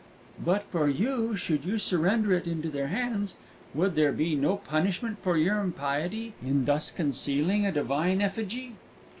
But for you, should you surrender it into their hands, would there be no punishment for your impiety in thus concealing a divine effigy?"